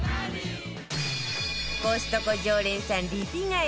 コストコ常連さんリピ買い